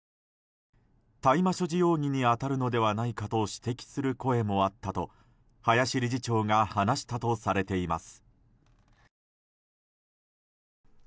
大麻所持容疑に当たるのではないかと指摘する声もあったと林理事長が話したとされています。